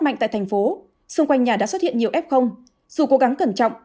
mạnh tại thành phố xung quanh nhà đã xuất hiện nhiều f dù cố gắng cẩn trọng